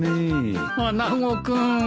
穴子君。